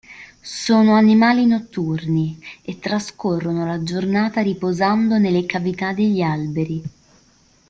Sono animali notturni, e trascorrono la giornata riposando nelle cavità degli alberi.